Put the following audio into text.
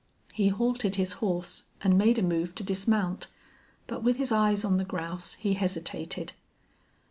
He halted his horse and made a move to dismount, but with his eyes on the grouse he hesitated.